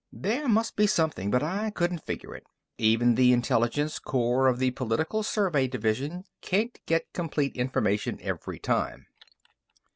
There must be something, but I couldn't figure it. Even the Intelligence Corps of the Political Survey Division can't get complete information every time.